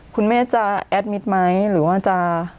คุณแม่จะแอดมิตรไหมหรือว่าจะ